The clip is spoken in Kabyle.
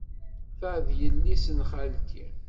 Ta d yelli-s n xalti.